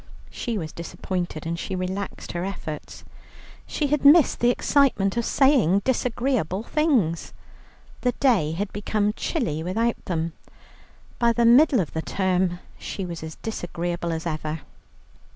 She was disappointed, and she relaxed her efforts. She had missed the excitement of saying disagreeable things. The day had become chilly without them. By the middle of the term she was as disagreeable as ever.